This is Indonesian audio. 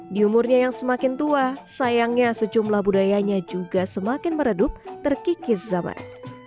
di umurnya yang semakin tua sayangnya sejumlah budayanya juga semakin meredup terkikis zaman